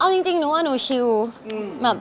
เอาจริงหนูว่าหนูชิวแบบ